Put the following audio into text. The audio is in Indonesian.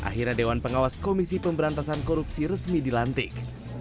akhirnya dewan pengawas komisi pemberantasan korupsi resmi dilantik